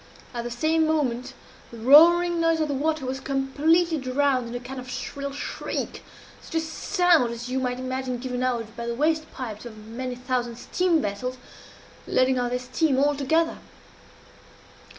At the same moment the roaring noise of the water was completely drowned in a kind of shrill shriek such a sound as you might imagine given out by the water pipes of many thousand steam vessels, letting off their steam all together.